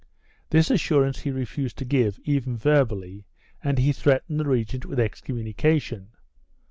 This assurance he refused to give, even verbally, and he threat ened the regent with excommunication.